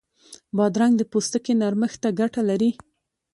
بادرنګ د پوستکي نرمښت ته ګټه لري.